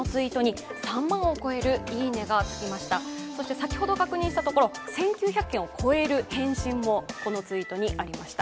先ほど確認したところ１９００件を超える返信もこのツイートにありました。